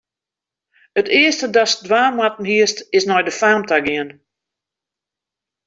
It earste datst dwaan moatten hiest, is nei de faam ta gean.